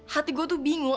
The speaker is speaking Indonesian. hati gue tuh bingung